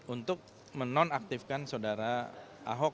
untuk menonaktifkan saudara ahok